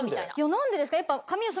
何でですか？